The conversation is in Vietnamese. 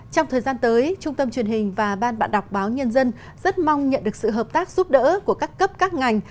trong thời gian tới trung tâm truyền hình và ban bạn đọc báo nhân dân rất mong nhận được sự hợp tác giúp đỡ của các cấp các ngành